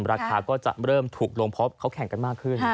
ราคาก็จะเริ่มถูกลงเพราะเขาแข่งกันมากขึ้น